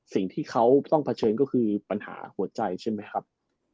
สิ่งที่เขาต้องเผชิญก็คือปัญหาหัวใจใช่ไหมครับ